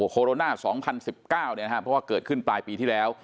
โคโรนา๒๐๑๙เพราะว่าเกิดขึ้นปลายปีที่แล้ว